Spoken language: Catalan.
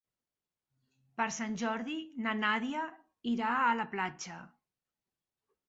Per Sant Jordi na Nàdia irà a la platja.